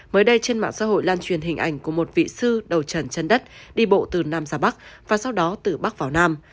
mới đây trên mạng xã hội lan truyền hình ảnh của một vị sư đầu trần chân đất đi bộ từ nam ra bắc và sau đó từ bắc vào nam